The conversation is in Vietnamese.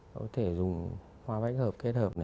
có thể dùng hoa bách hợp kết hợp này